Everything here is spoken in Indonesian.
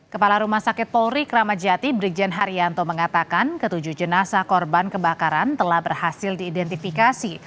kepala rumah sakit polri kramat jati brigjen haryanto mengatakan ketujuh jenazah korban kebakaran telah berhasil diidentifikasi